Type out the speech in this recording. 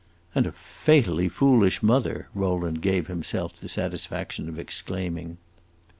"And a fatally foolish mother!" Rowland gave himself the satisfaction of exclaiming.